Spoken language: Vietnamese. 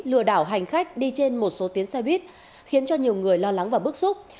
lừa đảo hành khách đi trên một số tuyến xe buýt khiến cho nhiều người lo lắng và bức xúc